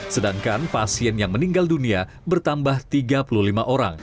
sedangkan pasien yang meninggal dunia bertambah tiga puluh lima orang